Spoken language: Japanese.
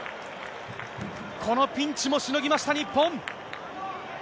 このピンチもしのぎました、日本。